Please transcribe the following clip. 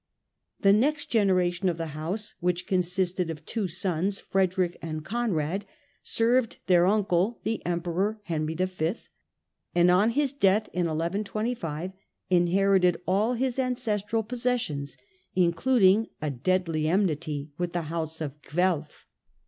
The next generation of the house, which consisted of two sons, Frederick and Conrad, served their uncle, the Emperor Henry V, and on his death in 1125 inherited all his ancestral possessions, including a deadly enmity with the house of Guelf.